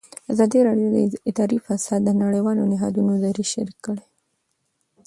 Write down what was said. ازادي راډیو د اداري فساد د نړیوالو نهادونو دریځ شریک کړی.